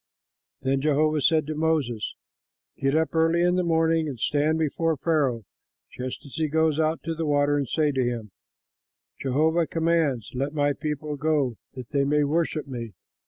Then Jehovah said to Moses, "Get up early in the morning and stand before Pharaoh, just as he goes out to the water, and say to him, 'Jehovah commands: Let my people go that they may worship me.